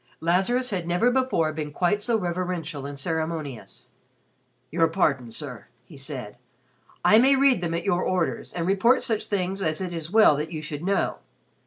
Lazarus had never before been quite so reverential and ceremonious. "Your pardon, sir," he said. "I may read them at your orders, and report such things as it is well that you should know.